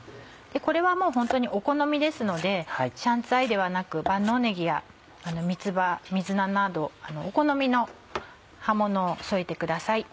これはもうホントにお好みですので香菜ではなく万能ねぎや三つ葉水菜などお好みの葉ものを添えてください。